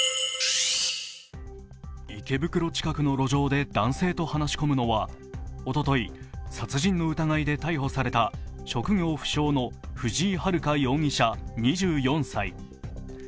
池袋近くの路上で男性と話し込むのはおととい、殺人の疑いで逮捕された職業不詳の藤井遥容疑者２４歳。